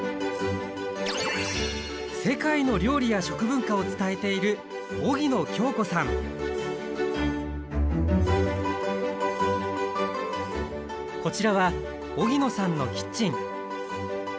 世界の料理や食文化を伝えているこちらは荻野さんのキッチン。